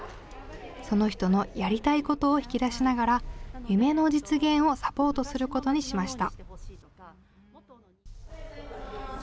その人のやりたいことを引き出しながら夢の実現をサポートすることにしました。